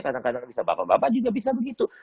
kadang kadang bisa bapak bapak juga bisa begitu